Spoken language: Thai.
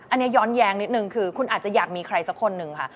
อันนี้ย้อนแย้งนิดนึงคือคุณอาจจะอยากมีใครสักคนหนึ่งค่ะ